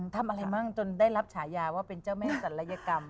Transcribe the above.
ทำอะไรบ้างจนได้รับฉายาว่าเป็นเจ้าแม่ศัลยกรรม